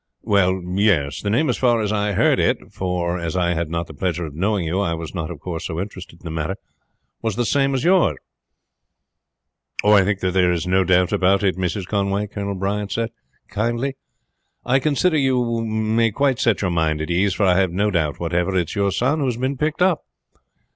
"Well, yes. The name, as far as I heard it, for as I had not the pleasure of knowing you I was not of course so interested in the matter, was the same as yours." "I think that there is no doubt about it, Mrs. Conway," Colonel Bryant said kindly. "I consider you may quite set your mind at ease, for I have no doubt whatever it is your son who has been picked up."